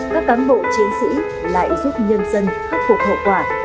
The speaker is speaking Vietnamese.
các cán bộ chiến sĩ lại giúp nhân dân khắc phục hậu quả